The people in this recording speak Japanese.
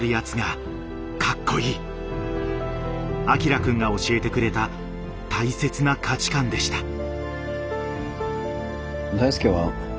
アキラくんが教えてくれた大切な価値観でした。